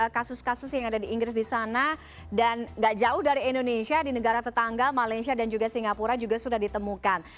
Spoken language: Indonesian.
kasus kasus yang ada di inggris di sana dan gak jauh dari indonesia di negara tetangga malaysia dan juga singapura juga sudah ditemukan